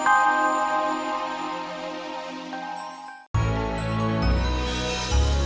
saya berharap rencana ini bisa berjalan lebih cepat pak